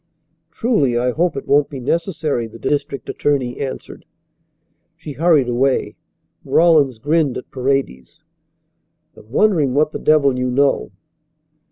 "Truly I hope it won't be necessary," the district attorney answered. She hurried away. Rawlins grinned at Paredes. "I'm wondering what the devil you know."